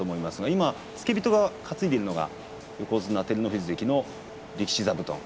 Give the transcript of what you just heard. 今、付け人が担いでいるのが照ノ富士の力士座布団。